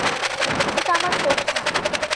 এটা আমার কোট না।